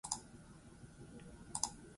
Aztarna gehienak itsasoan aurkitu dira.